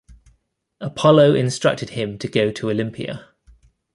Apollo instructed him to go to Olympia.